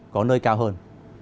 có nơi cao hơn